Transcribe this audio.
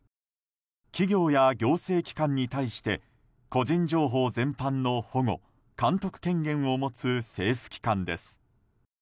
企業や行政機関に対して個人情報全般の保護・監督権限を持つ政府機関です。